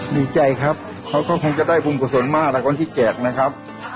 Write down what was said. มีใจครับเขาก็คงจะได้ภูมิกับส่วนมากละกว่าที่แจกนะครับ